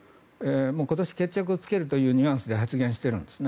今年、決着をつけるというニュアンスで発言しているんですね。